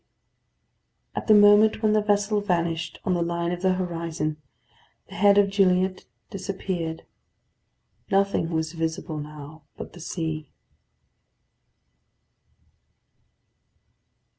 At the moment when the vessel vanished on the line of the horizon, the head of Gilliatt disappeared. Nothing was visible now but the sea.